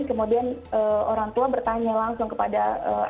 kemudian orang tua bertanya langsung kepada tetangga ini